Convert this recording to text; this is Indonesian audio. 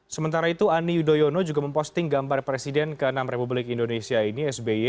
sementara itu ani yudhoyono juga memposting gambar presiden ke enam republik indonesia ini sby